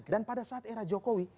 dan pada saat era jokowi